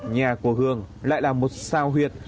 nhà của hường lại là một sao huyệt